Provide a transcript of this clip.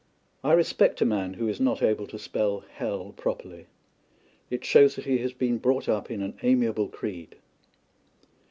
I respect a man who is not able to spell Hell properly. It shows that he has been brought up in an amiable creed.